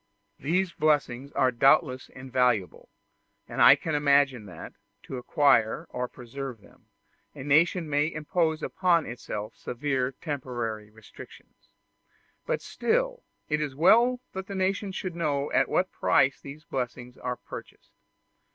These blessings are doubtless invaluable, and I can imagine that, to acquire or to preserve them, a nation may impose upon itself severe temporary restrictions: but still it is well that the nation should know at what price these blessings are purchased.